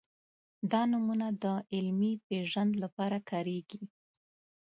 دا نومونه د علمي پېژند لپاره کارېږي.